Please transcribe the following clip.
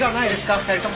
２人とも。